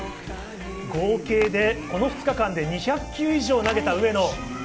合計で２日間で２００球以上投げた上野。